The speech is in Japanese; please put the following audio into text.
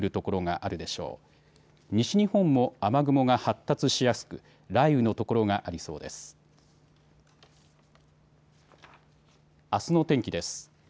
あすの天気です。